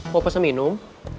mau pesan minum